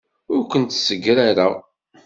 Ur kent-ssegrareɣ.